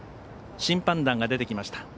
審判団が出てきました。